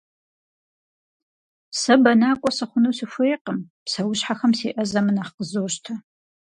Сэ бэнакӏуэ сыхъуну сыхуейкъым, псэущхьэхэм сеӏэзэмэ нэхъ къызощтэ.